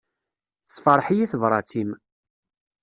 Tessefṛeḥ-iyi tebrat-im.